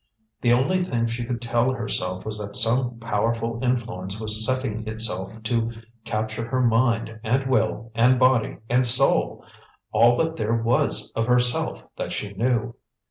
The only thing she could tell herself was that some powerful Influence was setting itself to capture her mind and will and body and soul all that there was of herself that she knew.